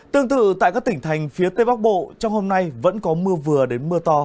tương tự tại các tỉnh thành phía tây bắc bộ trong hôm nay vẫn có mưa vừa đến mưa to